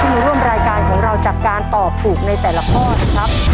มาร่วมรายการของเราจากการตอบถูกในแต่ละข้อนะครับ